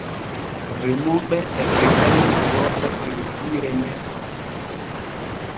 Remooɓe e ɗoytani durooɓe der siire nee.